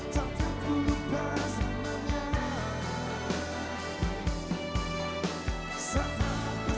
kau tuliskan padaku